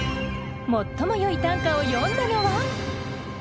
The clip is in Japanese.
最もよい短歌を詠んだのは。